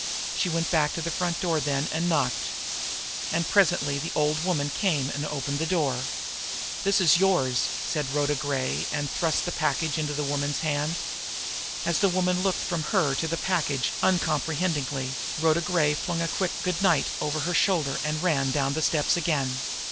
She went back to the front door then, and knocked. And presently the old woman came and opened the door. "This is yours," Rhoda said, and thrust the package into the woman's hand. And as the woman looked from her to the package uncomprehendingly, Rhoda Gray flung a quick "good night" over her shoulder, and ran down the steps again.